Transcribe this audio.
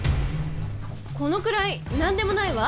このくらい何でもないわ。